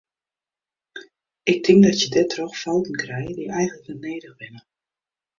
Ik tink dat je dêrtroch fouten krije dy eigenlik net nedich binne.